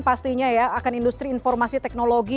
pastinya ya akan industri informasi teknologi